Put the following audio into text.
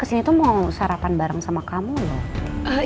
kesini tuh mau sarapan bareng sama kamu gak